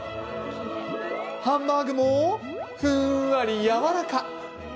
ハンバーグも、ふんわりやわらか。